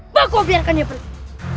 berarti kau sudah gabung tentang karakter